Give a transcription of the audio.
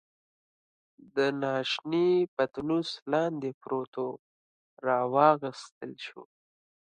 د ناشتې پتنوس لاندې پروت وو، را واخیستل شو.